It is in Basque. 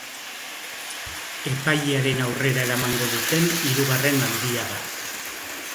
Epailearen aurrera eramango duten hirugarren aldia da.